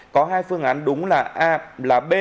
có hai phương án đúng là a là b